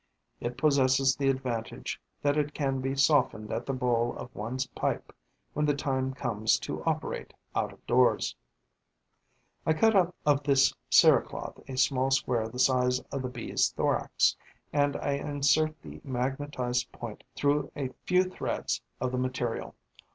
It possesses the advantage that it can be softened at the bowl of one's pipe when the time comes to operate out of doors. I cut out of this cerecloth a small square the size of the Bee's thorax; and I insert the magnetised point through a few threads of the material.